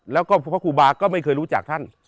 แล้วก็พระครูบาก็ไม่เคยรู้จักท่าน